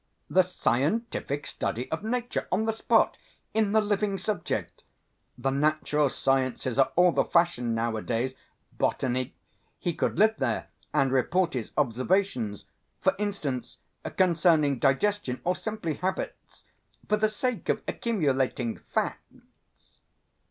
"The scientific study of nature on the spot, in the living subject. The natural sciences are all the fashion nowadays, botany.... He could live there and report his observations.... For instance, concerning digestion or simply habits. For the sake of accumulating facts."